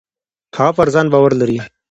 هغه پر ځان باور لري.